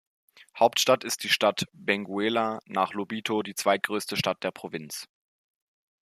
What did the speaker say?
Hauptstadt ist die Stadt Benguela, nach Lobito die zweitgrößte Stadt der Provinz.